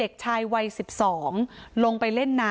มีคนจมน้ำเสียชีวิต๔ศพแล้วเนี่ย